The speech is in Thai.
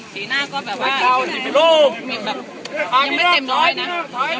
คุณแย้งคิดเกี่ยวกับธุรกิจที่เกิดมาใช้เท่าไหร่